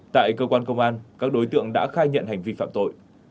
tại cơ quan công an các đối tượng đã khai nhận hành vi phạm tội